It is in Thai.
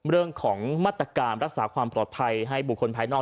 เรื่องของมาตรการรักษาความปลอดภัยให้บุคคลภายนอก